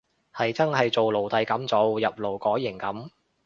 係真係做奴隸噉做，入勞改營噉